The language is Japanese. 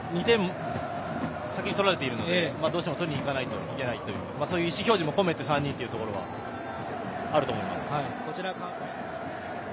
２点先に取られているのでどうしてもとりにいかないといけないという意思表示も含めての３人だと思います。